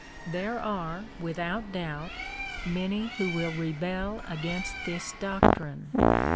There are, without doubt, many who will rebel against this doctrine.